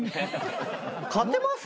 勝てますか？